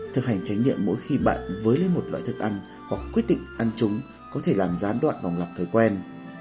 thực hành tránh nghiệm mỗi khi bạn với lên một loại thức ăn hoặc quyết định ăn chúng có thể làm gián đoạn vòng lập thói quen